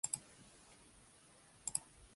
She also relieved them as best she could of the filth.